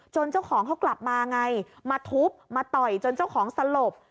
เจ้าของเขากลับมาไงมาทุบมาต่อยจนเจ้าของสลบ